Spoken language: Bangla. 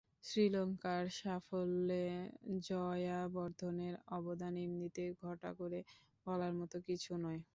শ্রীলঙ্কার সাফল্যে জয়াবর্ধনের অবদান এমনিতে ঘটা করে বলার মতো কিছু নয়।